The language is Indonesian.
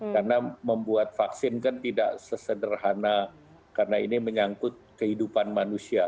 karena membuat vaksin kan tidak sesederhana karena ini menyangkut kehidupan manusia